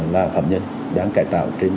là phạm nhân đang cải tạo trên lãnh thổ việt nam